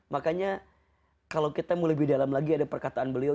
makanya kalau kita mau lebih dalam lagi ada perkataan beliau